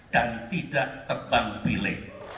dan tidak terbang bile